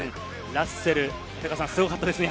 ラッセル、すごかったですね。